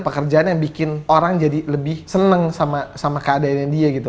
pekerjaan yang bikin orang jadi lebih seneng sama keadaannya dia gitu